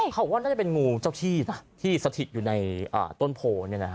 เขาบอกว่าน่าจะเป็นงูเจ้าที่นะที่สถิตอยู่ในต้นโพ